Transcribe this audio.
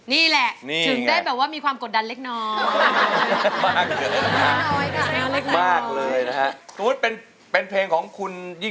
นี่แหละถึงได้แบบว่ามีความกดดันเล็กน้อย